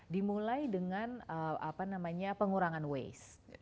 dimulai dengan apa namanya pengurangan waste